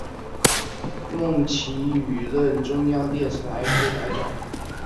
孟启予任中央电视台副台长。